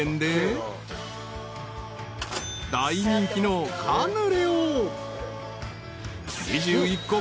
［大人気のカヌレを］